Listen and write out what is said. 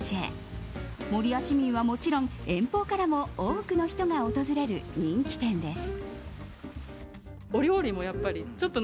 守谷市民はもちろん、遠方からも多くの人が訪れる人気店です。